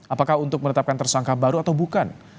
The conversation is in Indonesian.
apakah untuk menetapkan tersangka baru atau bukan